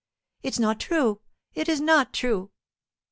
"It's not true. It is not true.